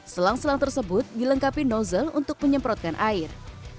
selang selang tersebut dilengkapi nozzle untuk menyemprotkan air